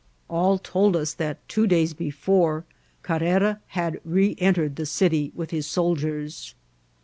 AU told us that two days before Carrera had re« entered the city with his soldiers.